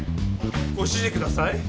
ご指示ください。